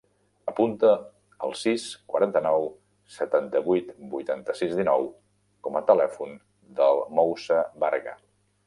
Apunta el sis, quaranta-nou, setanta-vuit, vuitanta-sis, dinou com a telèfon del Moussa Varga.